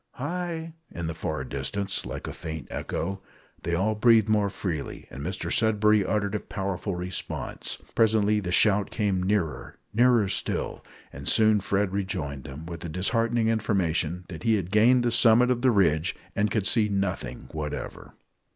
"Hi!" in the far distance, like a faint echo. They all breathed more freely, and Mr Sudberry uttered a powerful response. Presently the shout came nearer nearer still; and soon Fred rejoined them, with the disheartening information that he had gained the summit of the ridge, and could see nothing whatever!